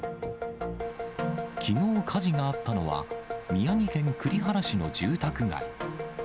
きのう、火事があったのは、宮城県栗原市の住宅街。